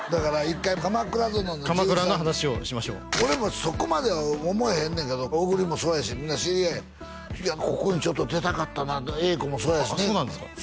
一回「鎌倉殿の１３人」「鎌倉」の話をしましょう俺もそこまでは思えへんねんけど小栗もそうやしみんな知り合いやここにちょっと出たかったな栄子もそうやしねそうなんですか？